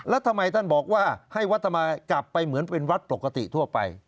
แล้วทำไมท่านบอกว่าให้วัดทำไมกลับไปเหมือนเป็นวัดปกติทั่วไป